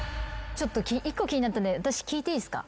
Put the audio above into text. １個気になったんで私聞いていいですか？